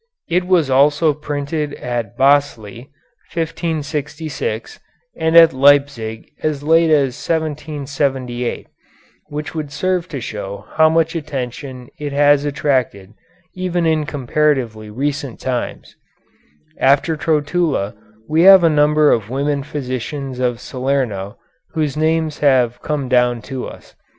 It was also printed at Basle, 1566, and at Leipzig as late as 1778, which would serve to show how much attention it has attracted even in comparatively recent times. After Trotula we have a number of women physicians of Salerno whose names have come down to us.